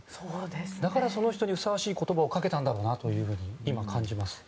だからその人にふさわしい言葉をかけたんだろうなと今、感じます。